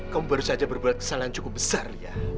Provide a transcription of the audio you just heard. kamu baru saja berbuat kesalahan cukup besar